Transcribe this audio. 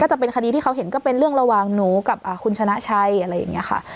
จะเป็นคดีที่เขาเห็นก็เป็นเรื่องระหว่างหนูกับคุณชนะชัยอะไรอย่างนี้ค่ะ